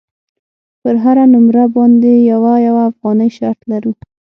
پر هره نمره باندې یوه یوه افغانۍ شرط لرو.